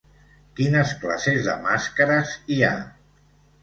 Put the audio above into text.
Quines classes de màscares hi ha?